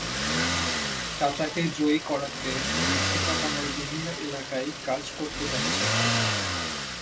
তাই চাচাকে জয়ী করাতে মোস্তফা কামাল বিভিন্ন এলাকায় কাজ করে যাচ্ছেন।